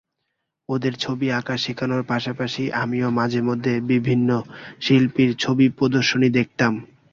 ওদের ছবি আঁকা শেখানোর পাশাপাশি আমিও মাঝেমধ্যে বিভিন্ন শিল্পীর ছবি প্রদর্শনী দেখতাম।